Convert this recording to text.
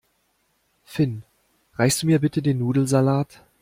Finn, reichst du mir bitte den Nudelsalat?